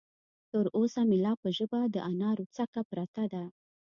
تر اوسه مې لا په ژبه د انارو څکه پرته ده.